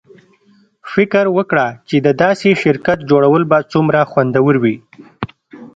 فکر وکړه چې د داسې شرکت جوړول به څومره خوندور وي